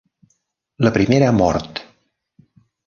La primera mort!